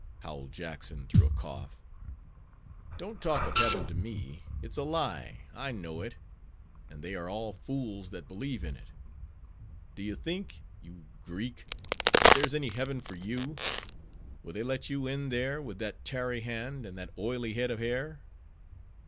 howled Jackson through a cough. "Don't talk of heaven to me—it's a lie—I know it—and they are all fools that believe in it. Do you think, you Greek, that there's any heaven for you? Will they let you in there, with that tarry hand, and that oily head of hair?